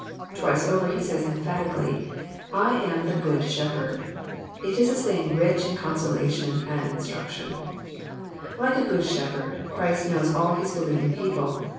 Twice over he says emphatically, *' I am the Good Shepherd." It is a saying rich in consolation and instruction. Like a good shepherd, Christ knows all His believing people.